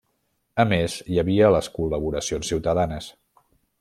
A més, hi havia les col·laboracions ciutadanes.